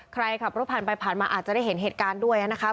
ขับรถผ่านไปผ่านมาอาจจะได้เห็นเหตุการณ์ด้วยนะครับ